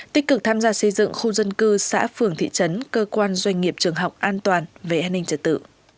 tích cực tham gia xây dựng khu dân cư xã phường thị trấn cơ quan doanh nghiệp trường học an toàn về an ninh trật tự